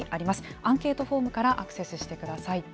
アンケートフォームからアクセスしてください。